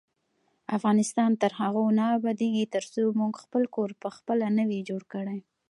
افغانستان تر هغو نه ابادیږي، ترڅو موږ خپل کور پخپله نه وي جوړ کړی.